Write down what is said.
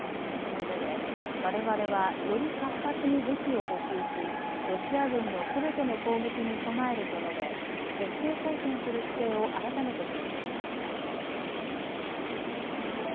そのうえで、われわれはより活発に武器を補給しロシア軍のすべての攻撃に備えると述べ徹底抗戦する姿勢を改めて強調しました。